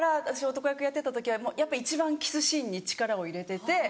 男役やってた時はやっぱ一番キスシーンに力を入れてて。